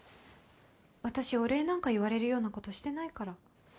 私お礼なんか言われるようなことしてないから。